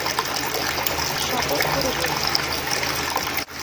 শপথ করে বলছি।